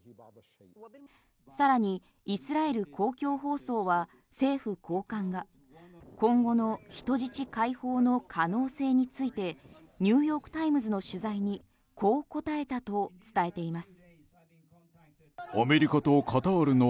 さらにイスラエル公共放送は政府高官が今後の人質解放の可能性についてニューヨーク・タイムズの取材にこう答えたと伝えています。